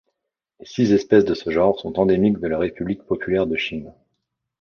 Les six espèces de ce genre sont endémiques de République populaire de Chine.